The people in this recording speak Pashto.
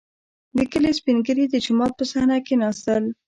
• د کلي سپین ږیري د جومات په صحنه کښېناستل.